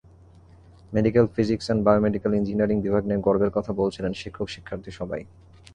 Medical physics and biomedical engineering বিভাগ নিয়ে গর্বের কথা বলছিলেন শিক্ষক-শিক্ষার্থী সবাই।